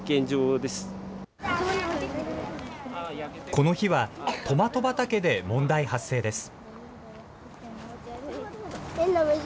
この日は、トマト畑で問題発生です。